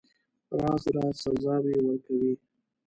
راز راز سزاوي ورکوي.